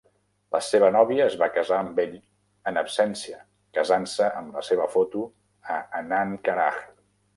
La seva novia es va casar amb ell en absència casant-se amb la seva foto a Anand Karaj.